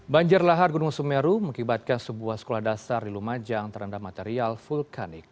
banjir lahar gunung semeru mengibatkan sebuah sekolah dasar di lumajang terendam material vulkanik